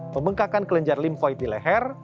pembengkakan kelenjar limfoid di leher